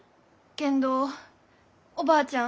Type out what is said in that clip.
けんどおばあちゃん。